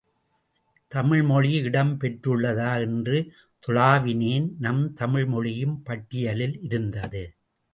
தமிழ் மொழி இடம் பெற்றுள்ளதா என்று துழாவினேன் நம் தமிழ் மொழியும் பட்டியலில் இருந்தது.